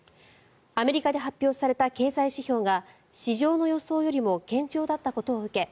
アメリカで発表された経済指標が市場の予想よりも堅調だったことを受け